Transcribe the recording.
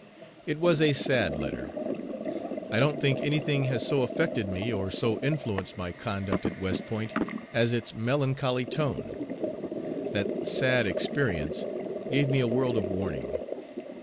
It was a sad letter. I don't think any thing has so affected me or so influenced my conduct at West Point as its melancholy tone. That "sad experience" gave me a world of warning.